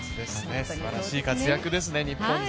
すばらしい活躍ですね、日本勢。